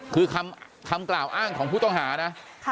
คือคำกล่าวอ้างของผู้ต้องหานะ